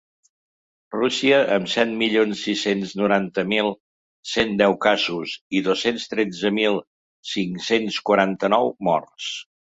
Rússia, amb set milions sis-cents noranta mil cent deu casos i dos-cents tretze mil cinc-cents quaranta-nou morts.